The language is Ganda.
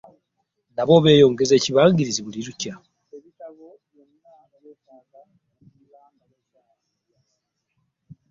Nabo beeyongeza ekibangirizi buli olukya.